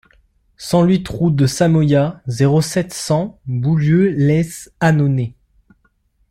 cent huit route de Samoyas, zéro sept, cent, Boulieu-lès-Annonay